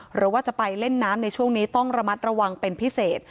หรือว่าจะไปเล่นน้ำในช่วงนี้ต้องระมัดระวังเป็นพิเศษ